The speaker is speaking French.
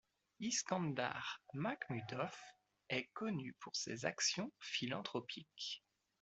Iskandar Makhmudov est connu pour ses actions philanthropiques.